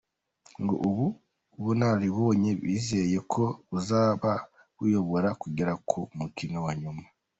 Ngo ubu bunararibonye bizeye ko buzabayobora kugera ku mukino wa nyuma.